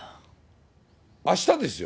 あしたですよ。